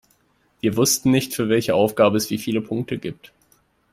Wir wussten nicht, für welche Aufgabe es wie viele Punkte gibt.